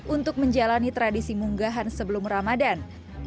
untuk menjalani tradisi munggahan sebelum ramadan